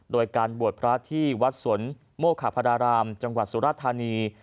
โดยการบวชพระที่วัดสวนโมขพระรารามจังหวัดสุรธานี